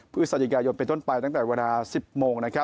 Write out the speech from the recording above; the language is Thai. พฤศจิกายนเป็นต้นไปตั้งแต่เวลา๑๐โมง